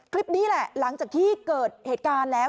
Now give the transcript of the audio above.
คลิปนี้แหละหลังจากที่เกิดเหตุการณ์แล้ว